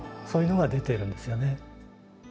そういうのが出てるんですよね。